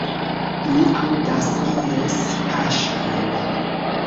Mi aŭdas ies paŝojn!